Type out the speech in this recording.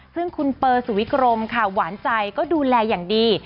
ซึ่งคุณเปอร์สุวิกรมค่ะหวานใจก็ดูแลอย่างดี